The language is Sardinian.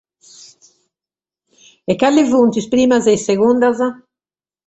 E cale sunt sas primas e sas sigundas?